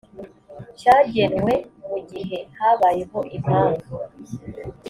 cyagenwe mu gihe habayeho impamvu